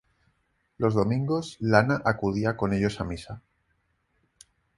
Los domingos, Lana acudía con ellos a misa.